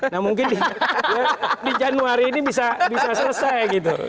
nah mungkin di januari ini bisa selesai gitu